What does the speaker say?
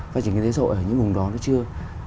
phát triển kinh tế sội ở những vùng đó nó chưa